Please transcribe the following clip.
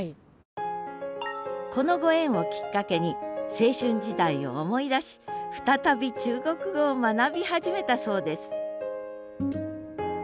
このご縁をきっかけに青春時代を思い出し再び中国語を学び始めたそうです